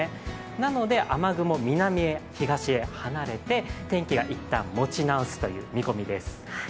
なので雨雲、南へ、東へ、離れて天気が一旦持ち直すという見込みです。